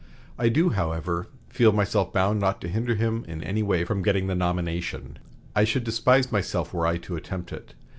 I do, however, feel myself bound not to hinder him in any way from getting the nomination. I should despise myself were I to attempt it.